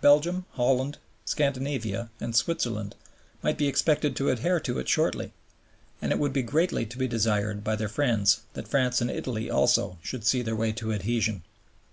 Belgium, Holland, Scandinavia, and Switzerland might be expected to adhere to it shortly. And it would be greatly to be desired by their friends that France and Italy also should see their way to adhesion.